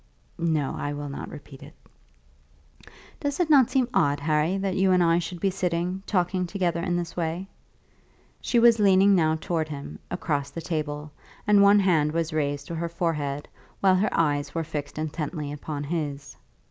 "No; I will not repeat it." "Does it not seem odd, Harry, that you and I should be sitting, talking together in this way?" She was leaning now towards him, across the table, and one hand was raised to her forehead while her eyes were fixed intently upon his.